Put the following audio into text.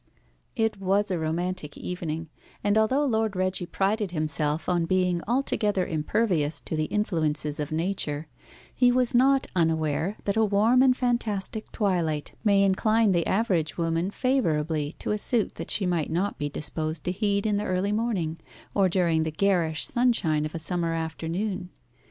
It was a romantic evening, and although Lord Reggie prided himself on being altogether impervious to the influences of Nature, he was not unaware that a warm and fantastic twilight may incline the average woman favourably to a suit that she might not be disposed to heed in the early morning, or during the garish sunshine of a summer afternoon.